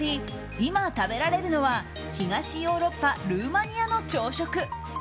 今食べられるのは東ヨーロッパ・ルーマニアの朝食。